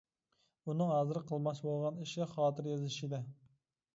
ئۇنىڭ ھازىر قىلماقچى بولغان ئىشى خاتىرە يېزىش ئىدى.